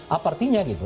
apa artinya gitu